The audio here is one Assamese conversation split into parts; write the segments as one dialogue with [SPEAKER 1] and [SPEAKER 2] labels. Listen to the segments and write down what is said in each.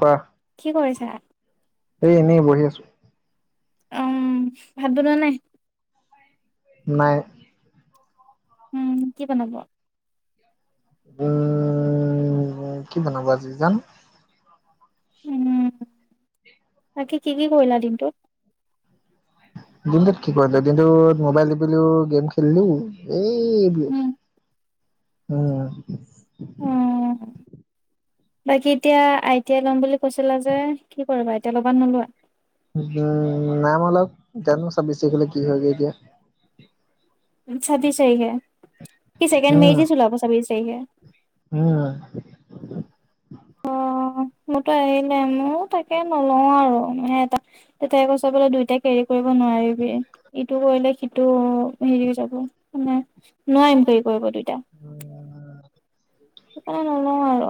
[SPEAKER 1] কোৱা,
[SPEAKER 2] কি কৰিছা?
[SPEAKER 1] এ এনেই বহি আছো।
[SPEAKER 2] উম ভাত বনোৱা নে নাই?
[SPEAKER 1] নাই।
[SPEAKER 2] উম কি বনাব?
[SPEAKER 1] উম কি বনাব আজি জানো?
[SPEAKER 2] উম। তাকে কি কি কৰিলা দিনটোত?
[SPEAKER 1] দিনটোত কি কৰিলো দিনটোত মোবাইল টিপিলো গেম খেলিলো এইব উ
[SPEAKER 2] উম, উম। বাকী এতিয়া আইটি আই লম বুলি কৈছিলা যে কি কৰিবা এতিয়া ল'বা নে নোলোৱা?
[SPEAKER 1] উম নাম অলপ জানো চব বেছি হলে কি হয়গৈ এতিয়া।
[SPEAKER 2] চাবিছ তাৰিখে কি ছেকেণ্ড
[SPEAKER 1] উম
[SPEAKER 2] মেৰিট লিষ্ট ওলাব ছাবিচ তাৰিখে?
[SPEAKER 1] উম
[SPEAKER 2] অ। মোৰতো আহিলে মোৰ তাকে নলও আৰু মে তেতে ক চ বোলে দুইট কেৰি কৰিব নোৱাৰিবি। ইটো কৰিলে সি - টো হেৰি হৈ যাব, মানে নোৱাৰিম কেৰি কৰিব দুইতা।
[SPEAKER 1] উম
[SPEAKER 2] সেইকাৰণে নলও আৰু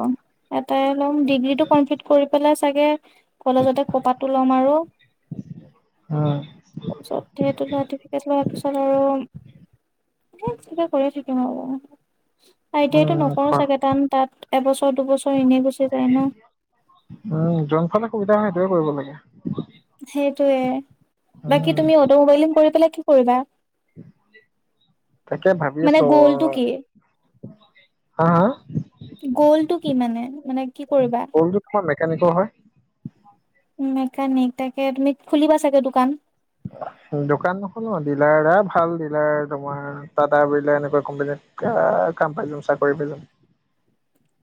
[SPEAKER 2] এটাই লম ডিগ্ৰীটো কমপ্লিট কৰি পেলাই চাগে কলেজতে খোপাটো লম আৰু
[SPEAKER 1] উম
[SPEAKER 2] তাৰ পিছত চাৰ্টিফিকেট লোৱাৰ পিছত আৰু এ কিবা কৰি থাকিম আৰু আইটিআইটো
[SPEAKER 1] উম
[SPEAKER 2] ন
[SPEAKER 1] কোৱা।
[SPEAKER 2] চাগে টান তাত এবছৰ দুবছৰ এনেই গুচি যায় ন।
[SPEAKER 1] কিয় কৰিব লাগে?
[SPEAKER 2] সেইটোয়ে বাকী
[SPEAKER 1] উম
[SPEAKER 2] তুমি অটোমোবাইলিং কৰি পেলাই কি কৰিবা?
[SPEAKER 1] তাকে ভাবি
[SPEAKER 2] মানে
[SPEAKER 1] আছো।
[SPEAKER 2] গ'লটো কি
[SPEAKER 1] হা-হা?
[SPEAKER 2] গ'লটো কি মানে-মানে কি কৰিবা?
[SPEAKER 1] কেনেকুৱা হয়?
[SPEAKER 2] মেকানিক। তাকে তুমি খুলিবা চাগে দোকান?
[SPEAKER 1] হয় [unintelligible] [unintelligible] দোকান নুখুলো, ডিলাৰ এটা ভাল ডিলাৰ তোমাৰ টাটা বিৰলা এনেকুৱা কোম্পনীত কাম পাই যাম চাকৰি পাই যাম।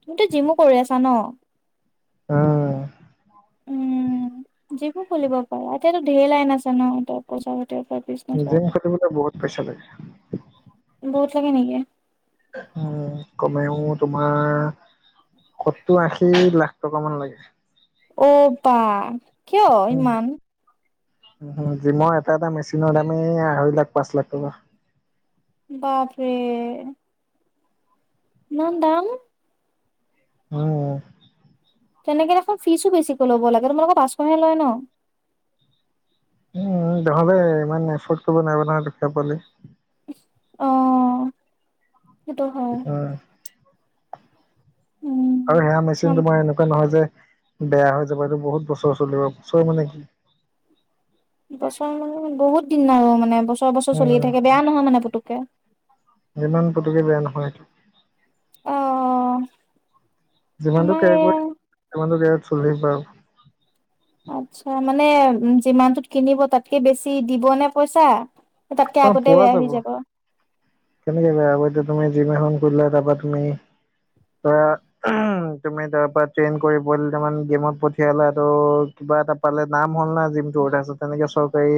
[SPEAKER 2] তুমিতো জিমো কৰি আছা ন?
[SPEAKER 1] উম
[SPEAKER 2] জিমো খুলিব পাৰা। এতিয়াতো ঢেৰ লাইন আছে ন ত পচাৰত।
[SPEAKER 1] জিম খুলিবলৈ বহুত পইচা লাগে।
[SPEAKER 2] বহুত লাগে নেকি?
[SPEAKER 1] উম কমেও তোমাৰ সত্তৰ আশী লাখ টকা মান লাগে।
[SPEAKER 2] পা কিয় ইমান
[SPEAKER 1] জিমৰ এটা এটা মেচিনৰ দামেই আঢ়ৈ লাখ পাঁচ লাখ টকা।
[SPEAKER 2] বাপৰে ইমান দাম?
[SPEAKER 1] উম
[SPEAKER 2] তেনেকে দেখুন ফিচো বেছিকৈ ল'ব লাগে। তোমালোকৰ পাঁচশহে লয় ন?
[SPEAKER 1] উম, নহ'লে ইমান এফৰ্ড কৰিব নোৱাৰা নহয় দুখীয়া পোৱালি।
[SPEAKER 2] আহ সেইটো হয়।
[SPEAKER 1] উম আৰু সেয়া
[SPEAKER 2] উম।
[SPEAKER 1] মেচিনটো মই এনেকুৱা নহয় যে, বেয়া হৈ যাব যে, বহুত বছৰ চলিব বছৰ মানে কি।
[SPEAKER 2] বছৰ মানে বহুত দিন আৰু মানে বছৰ বছৰ চলিয়ে থাকে
[SPEAKER 1] উম
[SPEAKER 2] বেয়া নহয় মানে পুতুকে
[SPEAKER 1] যিমান পুটুককে বেয়া নহয় এইটো
[SPEAKER 2] অ।
[SPEAKER 1] যিমানটো
[SPEAKER 2] আমাৰ
[SPEAKER 1] কেয়াৰ
[SPEAKER 2] এয়া
[SPEAKER 1] কৰি সিমানতটো কেয়াত চলি বাৰু।
[SPEAKER 2] আচ্ছা মানে যিমানটোত কিনিব তাতকে বেছি দিব নে পইচা? তাতকে
[SPEAKER 1] তোমাৰ
[SPEAKER 2] আগতে
[SPEAKER 1] পোৱা
[SPEAKER 2] বেয়া হৈ যাব।
[SPEAKER 1] কেনেকে বেয়া হ'ব এতিয়া তুমি জিম এখন খুলিলা তাৰপা তুমি ধৰা তুমি তাৰপৰা ট্ৰেইন কৰিব, বইল দুটামান গেমত পঠিয়ালা ত কিবা এটা পালে নাম হ'ল না জিমটো। তেনেকে চৰকাৰী,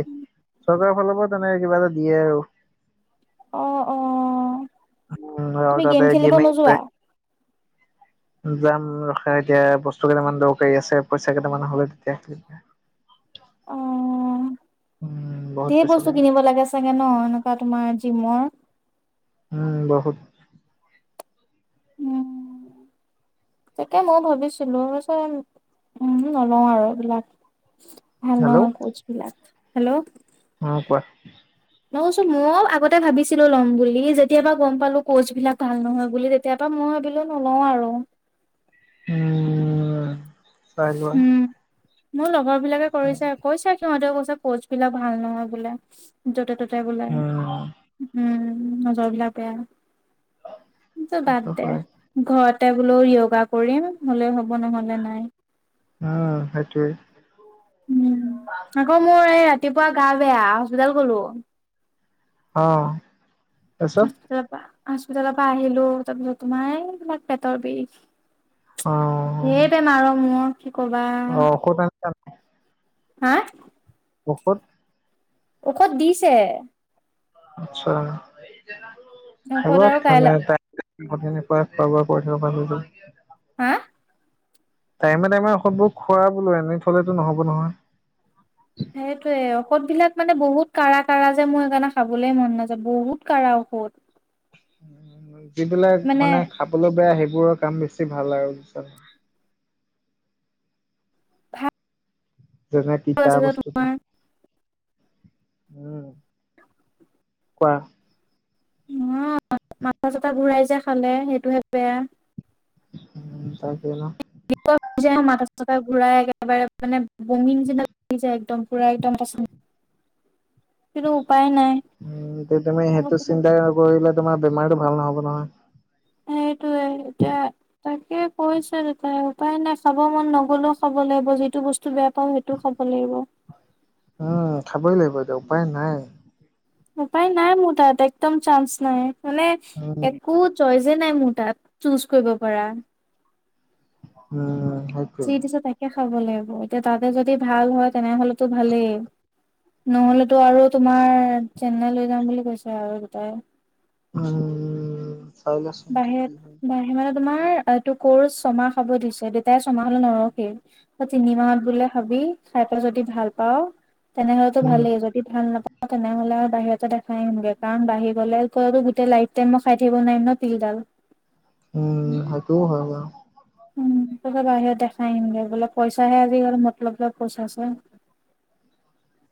[SPEAKER 1] চৰকাৰৰ ফালৰ পৰা তেনেকে কিবা এটা দিয়ে আৰু
[SPEAKER 2] অ অ
[SPEAKER 1] উম আৰু
[SPEAKER 2] তুমি গেম
[SPEAKER 1] তাতে
[SPEAKER 2] খেলিব
[SPEAKER 1] গেমিং,
[SPEAKER 2] নোযোৱা?
[SPEAKER 1] যাম ৰখা এতিয়া বস্তু কেইটামান দৰকাৰী আছে পইচা কেইটামান হ'লে তেতিয়া
[SPEAKER 2] অ
[SPEAKER 1] উম বহুত
[SPEAKER 2] ধেৰ
[SPEAKER 1] পইচা
[SPEAKER 2] বস্তু কিনিব লাগে চাগে ন? এনেকা তোমাৰ যিমৰ
[SPEAKER 1] উম বহুত।
[SPEAKER 2] উম। তাকে মই ভাবিছিলো, উম নলও আৰু এইবিলাক। ভাল
[SPEAKER 1] হেল্ল'
[SPEAKER 2] নহয় কোচ বিলাক। হেল্ল,
[SPEAKER 1] অ কোৱা?
[SPEAKER 2] নহলেচোন মই আগতে ভাবিছিলো লম বুলি যেতিয়াবা গম পালো কচ বিলাক ভাল নহয় বুলি তেতিয়া পা মই বিলো নলও আৰু
[SPEAKER 1] উম চাইলোৱা।
[SPEAKER 2] উম, মোৰ লগৰ বিলাকে কৰিছে, কৈছে সিহঁতেও কৈছে ক'চ বিলাক ভাল নহয় বোলে। য'তে ততে বোলে,
[SPEAKER 1] উম
[SPEAKER 2] উম নজৰ বিলাক বেয়া। বাদ
[SPEAKER 1] সেইটো
[SPEAKER 2] দে
[SPEAKER 1] হয়
[SPEAKER 2] ঘৰত। বোলে য়োগা কৰিম, হলে হ'ব নহ'লে নাই।
[SPEAKER 1] অ সেইটোৱেই
[SPEAKER 2] উ আকৌ মোৰ এই ৰাতিপুৱা গা বেয়া হস্পিতাল গলো।
[SPEAKER 1] অ হ।
[SPEAKER 2] হস্পিতালৰ পৰা হস্পিতালৰ পৰা আহিলো তাৰপিছত তোমাৰ এইবিলাক পেটৰ বিষ
[SPEAKER 1] অ
[SPEAKER 2] ধেৰ বেমাৰৰ মোৰ কি কবা
[SPEAKER 1] অ [unintelligible]
[SPEAKER 2] হা?
[SPEAKER 1] ঔষধ
[SPEAKER 2] ঔষধ দিছে।
[SPEAKER 1] আচছা। হব
[SPEAKER 2] ঔষধ আৰু
[SPEAKER 1] মানে
[SPEAKER 2] কাইলৈ
[SPEAKER 1] ত- ঘৰত পিনে পোৰা খোৱা বোৱা কৰি থাকিব পায় বোলো
[SPEAKER 2] হা।
[SPEAKER 1] টাইমে টাইমেবোৰ খোৱা বোলো এনেই থলেতো নহব নহয়।
[SPEAKER 2] সেইটোয়ে ঔষধ বিলাক মানে বহুত কাৰা কাৰা যে, মোৰ সেইকাৰণে খাবলৈ মন নাযায়। বহুত কাৰা ঔষধ।
[SPEAKER 1] যিবিলাক মানে খাবলৈ বেয়া সেই, বোৰৰ কাম বেছি ভাল আৰু বুজছা ন।
[SPEAKER 2] ভাল
[SPEAKER 1] যে তিটা
[SPEAKER 2] আছে যে
[SPEAKER 1] বস্তুটো
[SPEAKER 2] তোমাৰ
[SPEAKER 1] উম কোৱা
[SPEAKER 2] অ মাছছ এটা ঘূৰাই যায় খালে সেইটোহে বেয়া,
[SPEAKER 1] উম তাকে ন।
[SPEAKER 2] ৱা [unintelligible] মাথা সাথা ঘূৰাই একেবাৰে মানে বমি নিচিনা লাগি যায় একদম পুৰা একদম পচন্দ
[SPEAKER 1] উম তে তুমি সেইটো চিন্তা নকৰিবা। তমাৰ বেমাৰীটো ভাল নহ'ব নহয়।
[SPEAKER 2] সেইটোয়ে এতিয়া তাকে কৈছে দেতাই উপায় নাই খাব মন নগলেও খাব লাগিব যিটো বস্তু বেয়া পাওঁ সেইটোও খাব লাগিব।
[SPEAKER 1] উম খাবই লাগিব দে উপায় নাই।
[SPEAKER 2] উপায় নাই মোৰ তাত একদম চান্স নাই মানে
[SPEAKER 1] উম
[SPEAKER 2] একো চইচ যে নাই মোৰ তাত চুজ কৰিব পৰা।
[SPEAKER 1] উম সেইটোৱে
[SPEAKER 2] যি দিছে তাকে খাব লাগিব এতিয়া তাতে যদি ভাল হয় তেনেহলেতো ভালেই। নহলেতো আৰু তোমাৰ চেন্নাই লৈ যাম বুলি কৈছে আৰু দুটাই
[SPEAKER 1] উম। চাই লচোন এতিয়া
[SPEAKER 2] বাহিৰ
[SPEAKER 1] কি হয়
[SPEAKER 2] বাহে মানে তোমাৰ আৰু তোৰ কছ্ ছমাহ খাব দিছে দেউতাই ছমাহ হলে নৰখেই তই তিনিমাহত বোলে খাবি খাই পেলাই যদি ভাল পাও তেনেহলেতো
[SPEAKER 1] উম
[SPEAKER 2] ভালেই যদি ভাল নাপাওঁ। তেনেহ'লে আৰু বাহিৰতে দেখাই আহিমগে কাৰণ বাহিৰ গলে কৈতো গোটেই লাইফ টাইম মই খাই থাকিব নোৱাৰিম ন'। তিলডাল
[SPEAKER 1] উম সেইটোও হয় বাও
[SPEAKER 2] উম তাপিছত বাহিৰত দেখাই আহিমগৈ বোলে পইচাহে আজিকাল মতলব যে পইচাছে। [inaudible]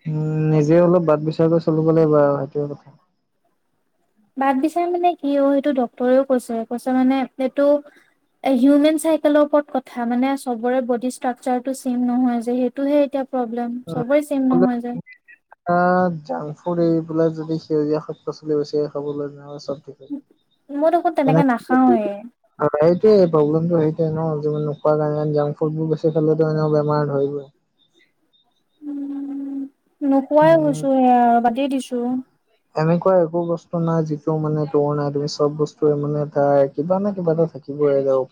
[SPEAKER 1] উম, নিজে অলপ বাট বিচাৰ কৈ চলিব লাগিব আৰু সেইটোয়ে কথা।
[SPEAKER 2] বাদ বিচাৰ মানে কি অ' সেইটো ডক্তৰেও কৈছে কৈছে মানে এইটো হিউমেন চাইকেলৰ ওপৰত কথা মানে চবৰে বডি ষ্ট্ৰাকচাৰটো ছেম নহয় যে সেইটোহে এতিয়া। প্ৰব্লেম চবৰে চেম নহয় যে।
[SPEAKER 1] [unintelligible] বোলে যদি সেউজীয়া শাক -পাচলি বেছি খাবলৈ যাওঁ
[SPEAKER 2] মই দেখোন তেনেকে নাখাওৱে।
[SPEAKER 1] সেইটোৱে প্ৰব্লেমটো সেই নুকুৱা কাৰণে জাংক ফুড বোৰ বেছি খালোঁ এতিয়া বেমাৰ ধৰিবই
[SPEAKER 2] নোখোৱাই
[SPEAKER 1] উম
[SPEAKER 2] হৈছো এ'বাদেই দিছো।
[SPEAKER 1] এনেকুৱা একো বস্তু নাই যিটো মানে তোৰ নাই তুমি চব বস্তুে মানে তাৰ কিবা নে কিবা এটা থাকিবই আৰু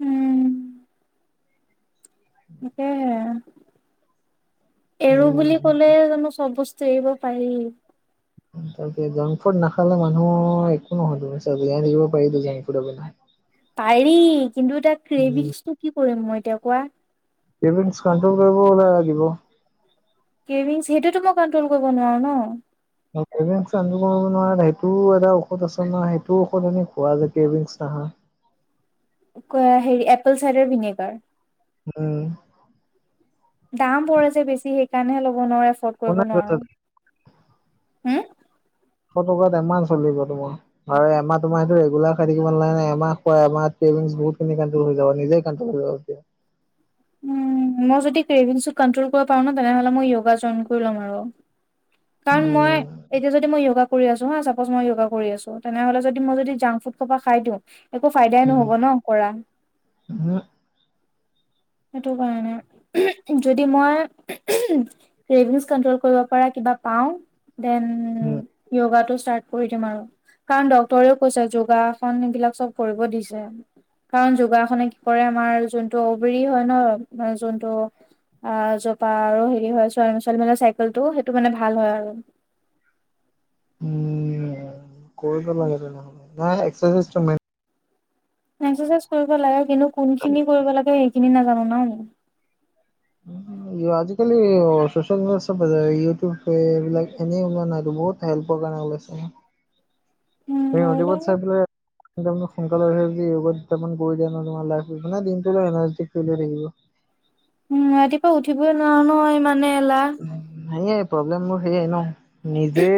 [SPEAKER 2] উম। তাকেহে এৰো বুলি ক'লে
[SPEAKER 1] উম
[SPEAKER 2] জানো চব বস্তু এৰিব পাৰি।
[SPEAKER 1] জাংক ফুড নাখালে মানুহ একো নহয় জীয়াই থাকিব পাৰি জাংক ফুডৰ ন
[SPEAKER 2] পাৰি কিন্তু এটা ক্ৰেভিইঞ্চটো কি কৰিম মই এতিয়া কোৱা।
[SPEAKER 1] ক্ৰেভিংচ কণ্ট্ৰল কৰিব ওল লাগিব।
[SPEAKER 2] ক্ৰেভিংচ সেইটোৱেতো মই কণ্ট্ৰল কৰিব নোৱাৰো ন'।
[SPEAKER 1] ন সেইটোও এটা ঔষধ আছে নহয় সেইটো ঔষধ খোৱা যায় আহা।
[SPEAKER 2] ক'হেৰি এপল চাইডাৰ ভিনেগাৰ।
[SPEAKER 1] উম
[SPEAKER 2] দাম পৰে যে বেছি সেইকাৰণেহে ল'ব নোৱাৰো এফৰ্ড কৰিব
[SPEAKER 1] কোনে কৈছে
[SPEAKER 2] নোৱাৰো। হম
[SPEAKER 1] এশ টকাত এমাহ চলিব তোমাৰ হয় এমাহ তোমাৰতো ৰেগুলাৰ খাই থাকিব নালাগে নহয় এমাহ খোৱা এমাহ [unintelligible]
[SPEAKER 2] [inaudible] উম, মই যদি ক্ৰেভিংচটো কট্ৰল কৰিব পাৰো ন' তেনেহ'লে মই য়গা জইন কৰি লম আৰু। কাৰণ মই
[SPEAKER 1] উম,
[SPEAKER 2] এতিয়া যদি মই য়োগা কৰি আছো হা চাপজ মই যোগা কৰি আছো তেনেহলে যদি মই যদি জাংক- ফুড সপা খাই দিওঁ একো ফাইদাই
[SPEAKER 1] উম,
[SPEAKER 2] নহ'ব ন' কৰা।
[SPEAKER 1] উম,
[SPEAKER 2] সেইটো কাৰণে যদি মই ৰিভিউজ কণ্ট্ৰল কৰিব পাৰা বা পাওঁ ডেন
[SPEAKER 1] উম,
[SPEAKER 2] য়গাটো ষ্টাৰ্ট কৰি দিম আৰু কাৰণ ডক্তৰেও কৈছে যোগাসন এইবিলাক চব কৰিব দিছে। কাৰণ যোগাসনে কি কৰে আমাৰ যোনটো অবৰি হয় ন'যোনটো আহ, জোতা আৰু হেৰি হয় ছো -ছোৱালী মানুহৰ চাইকেলটো সেইটো মানে ভাল হয় আৰু। [inaudible]
[SPEAKER 1] উম, কৰিব লাগে তেনেহ'লে নহয় এক্সাৰচাইজ টো মেইন।
[SPEAKER 2] একচেচাইজ কৰিব লাগে কিন্তু কোনখিনি কৰিব লাগে সেইখিনি নাজানো ন' আমি।
[SPEAKER 1] উম, আজিকালি ইয় চচিয়েল মিডিয়া চব ইউটিউব এইবিলাক এনেই ওলোৱা নাইটো। বহুত হেল্পৰ কাৰনে ওলাইছে। ইউটিউবত চাই পেলে [unintelligible] সোনকালে [unintelligible]
[SPEAKER 2] উম, ৰাতিপুৱা উঠিবই নোৱাৰোঁ নহয় ইমানেই এলাহ।
[SPEAKER 1] নায়েই প্ৰব্লেম মোৰ সেয়ে ন' নিজে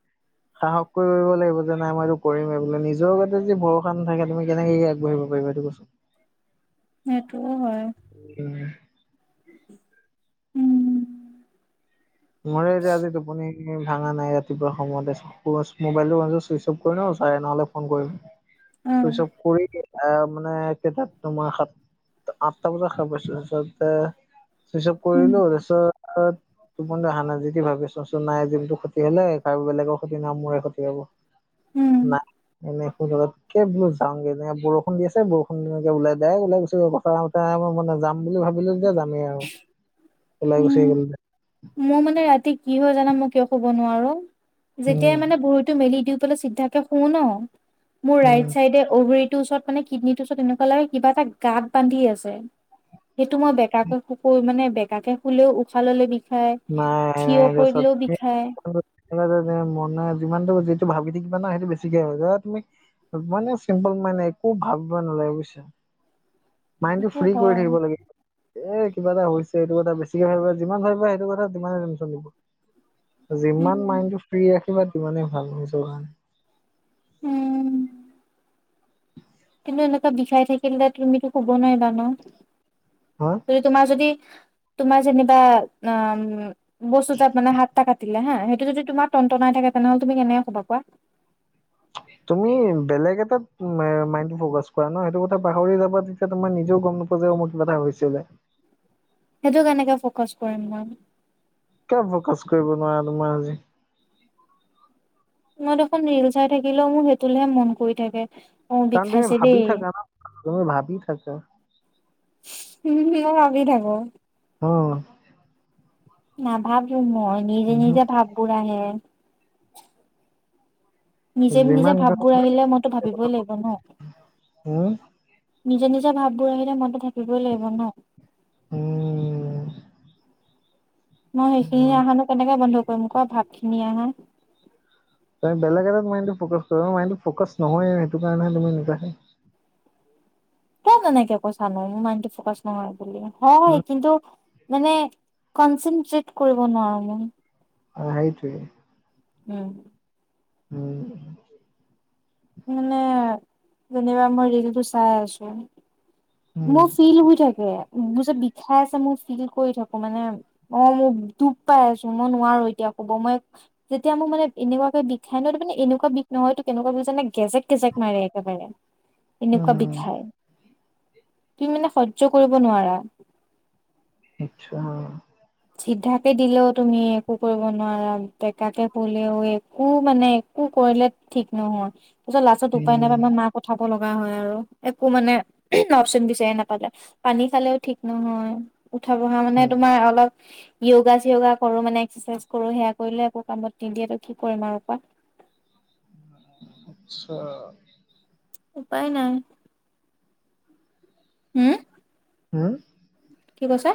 [SPEAKER 2] [inaudible]
[SPEAKER 1] সাহস কৰিব লাগিব যে নাই মই এইটো কৰিম এই বোলে নিজৰ গাতে যি ভৰসা নথাকে তুমি কেনেকে আগবাঢ়িব পাৰিবা। কোৱাচোন?
[SPEAKER 2] সেইটোও হয়। উম
[SPEAKER 1] মোৰে আজি -আজি টোপনি ভাঙা নাই ৰাতিপুৱা সময়তে মোবাইলটো [unintelligible] চুইচ অফ কৰি লম চাৰে নহ'লে ফোন কৰিম। চুইচ
[SPEAKER 2] অ'
[SPEAKER 1] অফ কৰি আহ মানে কেতাত তোমাৰ সাত আট্টা বজাত সাৰ পাইছোঁ তাৰছতে চুইচ অফ
[SPEAKER 2] উম
[SPEAKER 1] কৰিলোঁ তাছত টোপনিটো আহা নাই যিতি ভাবিছো [unintelligible] চোন নাই জিম তো ক্ষতি হ'লে কাৰোঁ বেলেগৰ ক্ষতি নহয় মোৰে ক্ষতি হ'ব।
[SPEAKER 2] উম
[SPEAKER 1] নাই এনে। [unintelligible] যাম বুলি ভাবিলো যেতিয়া যামেই আৰু ওলাই গুচি
[SPEAKER 2] উম
[SPEAKER 1] গলো
[SPEAKER 2] মোৰ মানে ৰাতি কি হয় জানা মই কিয় কব নোৱাৰো
[SPEAKER 1] উম
[SPEAKER 2] যেতিয়াই মানে ভৰিতো মেলি দিওঁ চিদ্বাকে শু ন' মোৰ
[SPEAKER 1] উম
[SPEAKER 2] ৰাইট চাইদে অভৰি তোৰ ওচৰত মানে কিডনি ওচৰত এনেকোৱা লাগে কিবা এটা গাত বান্ধি আছে। সেইটো মই বেকাকেকুকৈ মানে বেকাকে শুলেও উশাহ ললেও বিষ
[SPEAKER 1] নাই -নাই [unintelligible] মনে যিমানটো যিটো ভাবি থাকিবা না সেইটো বেছিকে হৈ যায় ধৰা তুমি মানে চিম্পল মানে একো ভাবিব নালাগে বুইছা। মাইণ্ড টো
[SPEAKER 2] সেইটো
[SPEAKER 1] ফ্ৰী কৰি
[SPEAKER 2] হয়
[SPEAKER 1] থাকিব লাগে। এ'কিবা এটা হৈছে এইটো কথা বেছিকে ভাবিবা যিমান ভাবিবা সেইটো কথা তিমানে টেনশন লব। যিমান
[SPEAKER 2] উম।
[SPEAKER 1] মাইণ্ডটো ফ্ৰী ৰাখিবা তিমানেই ভাল হৈ যাব কাৰণে।
[SPEAKER 2] উম। কিন্তু এনেকুৱা বিষাই থাকিলে তুমিতো কব নোৱাৰিবা ন'
[SPEAKER 1] হা
[SPEAKER 2] যদি তোমাৰ যদি তোমাৰ যেনিবা অম বস্তু তাত মানে হাতটা কাটিলে হা সেইটো যদি তোমাৰ টনটনাই থাকে তেনেহ'লে তুমি কেনেক ক'বা কোৱা?
[SPEAKER 1] তুমি বেলেগ এতাত মাইণ্ডটো ফকাছ কৰা না সেইটো কথা পাহৰি যাবা তেতিয়া তোমাৰ নিজেও গম নোপোৱা মোৰ কিবা এটা হৈছিলে।
[SPEAKER 2] [inaudible] সেইটো কেনেকে ফকাচ কৰিম মই
[SPEAKER 1] কিয় ফকাচ কৰিব নোৱাৰা তোমাৰ আজি
[SPEAKER 2] মই দেখোন ৰীল চাই থাকিলেওঁ মোৰ সেইটোলৈহে মন কৰি থাকে অ
[SPEAKER 1] চানডে
[SPEAKER 2] বিষাইছে
[SPEAKER 1] ভাবি
[SPEAKER 2] দেই
[SPEAKER 1] থাকা তুমি ভাবি থাকা
[SPEAKER 2] উম মইও ভাবি থাকো।
[SPEAKER 1] উম।
[SPEAKER 2] নাভাবোঁ মই নিজে -নিজে ভাববোৰ আহে। নিজে- নিজে
[SPEAKER 1] যিমান কাম
[SPEAKER 2] ভাববোৰ আহিলে মইতো ভাবিবই লাগিব ন'
[SPEAKER 1] উম,
[SPEAKER 2] নিজে - নিজে ভাববোৰ আহিলে মইতো থাকিবই লাগিব ন'।
[SPEAKER 1] উম।
[SPEAKER 2] মই সেইখিনি আমানো কেনেকে বন্ধ কৰিম ক ভাপ খিনি আহা [unintelligible]
[SPEAKER 1] তই বেলেগ এ নহয় সেইটো কাৰণেহে তুমি [unintelligible] [unintelligible] জে
[SPEAKER 2] ক কেনেকে কৈছা ন মোৰ মাইড ফকাচ নহয় বুলি হয়
[SPEAKER 1] উম,
[SPEAKER 2] কিন্তু [unintelligible] মানে কনচেনট্ৰেট কৰিব নোৱাৰো মই।
[SPEAKER 1] অঁ সেইটো [unintelligible]
[SPEAKER 2] উম [unintelligible]
[SPEAKER 1] উম
[SPEAKER 2] মানে যেনিবা মই ৰিলটো চাই আছো,
[SPEAKER 1] উম,
[SPEAKER 2] মোৰ ফিল হৈ থাকে। ব যে বিষাই আছে মোৰ ফিল কৰি থাকো মানে অঁ মোৰ দুখ পাই আছো মই নোৱাৰো এতিয়া ক'ব মই যেতিয়া মোৰ মানে এনেকুৱাকে বিষ খাই ন মানে এনেকুৱা বিষ নহয়তো কেনেকুৱা বিষ জানে কেজেক কেজেক মাৰে একেবাৰে এনেকুৱা
[SPEAKER 1] উম।
[SPEAKER 2] বিষাই তুমি মানে সহ্য কৰিব নোৱাৰা।
[SPEAKER 1] আচ্ছা [unintelligible]
[SPEAKER 2] চিধাকে দিলেও তুমি একো কৰিব নোৱাৰা বেকাকে হলেও একো মানে একো। কৰিলে ঠিক নহয় পিছত লাষ্টত উপায় নাপায়
[SPEAKER 1] উম,
[SPEAKER 2] আমাৰ মাক পঠাব লগা হয় আৰু একো মানে অপচন বিচাৰি নাপালে পানী খালেও ঠিক নহয় উঠা বহা মানে
[SPEAKER 1] উম,
[SPEAKER 2] তোমাৰ অলপ য়োগা চিয়গা কৰো মানে এক্সাৰচাইজ কৰো সেয়া কৰিলে একৌ কামত নিদিয়টো কি কৰিম আৰু কোৱা। [unintelligible]
[SPEAKER 1] [inaudible]
[SPEAKER 2] উপায় নাই। হম।
[SPEAKER 1] হম।
[SPEAKER 2] কি কৈছা।